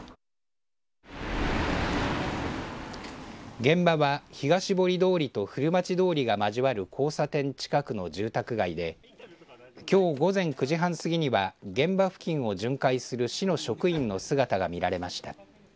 現場は東堀通りと古町通りが交わる交差点近くの住宅街できょう午前９時半過ぎには現場付近を巡回する市の職員の姿が見られました。